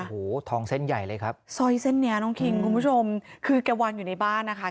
โอ้โหทองเส้นใหญ่เลยครับซอยเส้นเนี้ยน้องคิงคุณผู้ชมคือแกวางอยู่ในบ้านนะคะ